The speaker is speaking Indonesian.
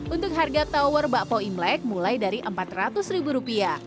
untuk harga tower bakpao imlek mulai dari empat ratus ribu rupiah